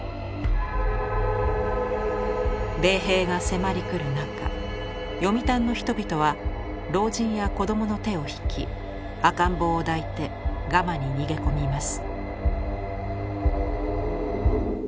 米兵が迫り来る中読谷の人々は老人や子どもの手を引き赤ん坊を抱いてガマに逃げ込みます。